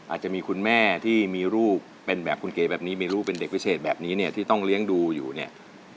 อาจจะมีคุณแม่ที่มีลูกเป็นแบบคุณเก๋แบบนี้มีลูกเป็นเด็กพิเศษแบบนี้เนี่ยที่ต้องเลี้ยงดูอยู่เนี่ย